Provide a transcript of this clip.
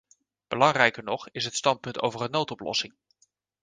Belangrijker nog is het standpunt over een noodoplossing.